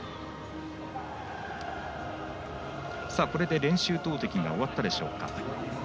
これで練習投てきが終わったでしょうか。